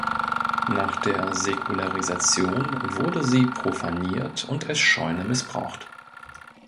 Nach der Säkularisation wurde sie profaniert und als Scheune missbraucht.